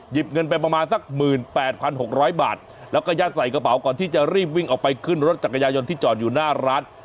หยิบเงินไปประมาณสักหมื่นแปดพันหกร้อยบาทแล้วกระยะใส่กระเป๋าก่อนที่จะรีบวิ่งออกไปขึ้นรถจักรยายนที่จอดอยู่หน้าร้าน